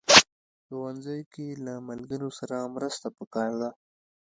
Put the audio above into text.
ښوونځی کې له ملګرو سره مرسته پکار ده